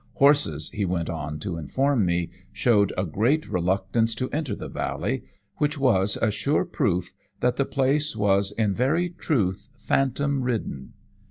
Horses, he went on to inform me, showed the greatest reluctance to enter the valley, which was a sure proof that the place was in very truth phantom ridden.